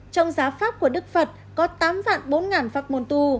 trong giá pháp của đức phật có tám vạn bốn ngàn pháp môn tu